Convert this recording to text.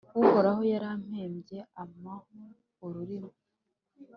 Uhoraho yarampembye, ampa ururimi,